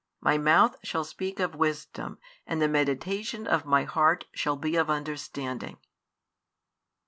My mouth shall speak of wisdom, and the meditation of my heart shall be of understanding.